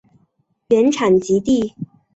原产极地。